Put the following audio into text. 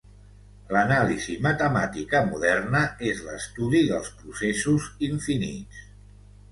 L'anàlisi matemàtica moderna és l'estudi dels processos infinits.